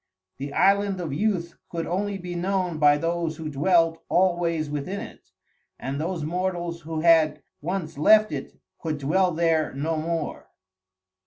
The Island of Youth could only be known by those who dwelt always within it, and those mortals who had once left it could dwell there no more.